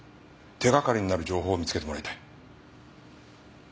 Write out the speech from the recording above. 手掛かりになる情報を見つけてもらいたい。